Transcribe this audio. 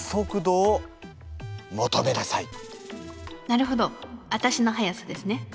なるほどアタシの速さですね。